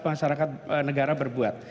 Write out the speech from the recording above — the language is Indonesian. masyarakat negara berbuat